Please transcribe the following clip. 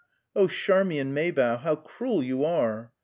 "Oh, Charmian Maybough! How cruel you are!"